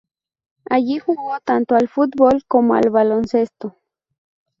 Allí jugó tanto al fútbol como al baloncesto.